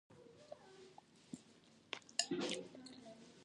د افغانستان په منظره کې اقلیم ښکاره ده.